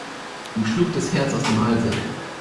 Ihm schlug das Herz aus dem Halse.